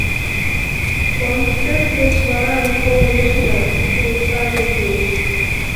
Концерт деч вара Микола Вишня Султан дек мийыш.